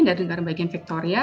dari negara bagian victoria